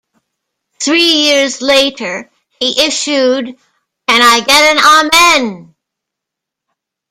Three years later, he issued "Can I Get an Amen".